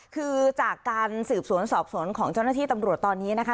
คือจากการสืบสวนสอบสวนของเจ้าหน้าที่ตำรวจตอนนี้นะคะ